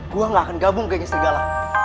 gue gak akan gabung ke gengistigala